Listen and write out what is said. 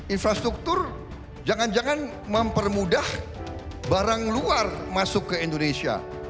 infrastruktur jangan jangan mempermudah barang luar masuk ke indonesia